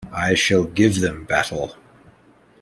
I shall give them battle.